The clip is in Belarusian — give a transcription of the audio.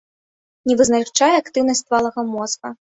Не вызначае актыўнасць ствала мозга.